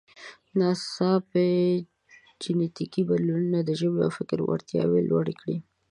ناڅاپي جینټیکي بدلونونو د ژبې او فکر وړتیاوې لوړې کړې.